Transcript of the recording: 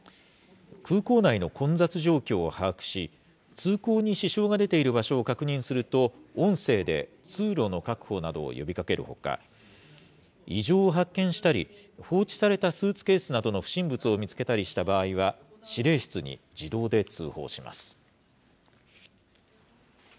空港内の混雑状況を把握し、通行に支障が出ている場所を確認すると、音声で通路の確保などを呼びかけるほか、異常を発見したり、放置されたスーツケースなどの不審物を見つけたりした場合は、司令室に自動で通報します。